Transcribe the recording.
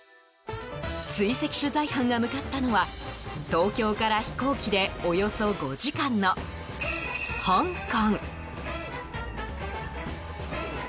追跡取材班が向かったのは東京から飛行機でおよそ５時間の香港。